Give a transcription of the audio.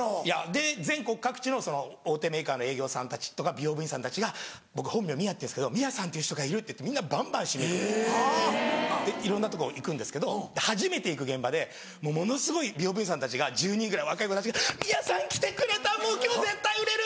で全国各地の大手メーカーの営業さんたちとか美容部員さんたちが僕本名宮っていうんですけど「宮さんっていう人がいる」ってみんなバンバン指名。でいろんなとこ行くんですけど初めて行く現場でものすごい美容部員さんたちが１０人ぐらい若い子たちが「宮さん来てくれたもう今日絶対売れる！」